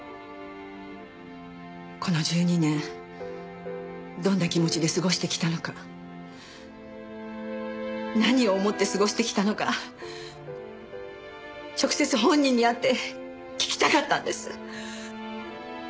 この１２年どんな気持ちで過ごしてきたのか何を思って過ごしてきたのか直接本人に会って聞きたかったんです。